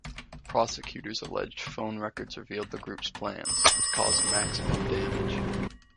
Prosecutors alleged phone records revealed the group's plans: to cause maximum damage.